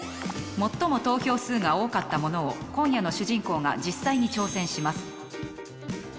最も投票数が多かったものを今夜の主人公が実際に挑戦します。